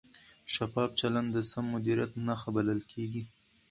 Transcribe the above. شفاف چلند د سم مدیریت نښه بلل کېږي.